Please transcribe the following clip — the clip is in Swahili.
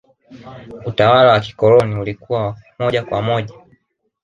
utawala wa kikoloni ulikuwa wa moja kwa moja